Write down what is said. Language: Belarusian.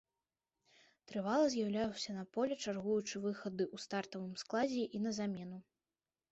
Трывала з'яўляўся на полі, чаргуючы выхады ў стартавым складзе і на замену.